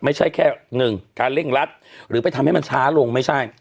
ไม่ใช่แค่หนึ่งการเร่งรัดหรือไปทำให้มันช้าลงไม่ใช่